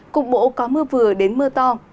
cục bộ có mưa vừa đến mưa to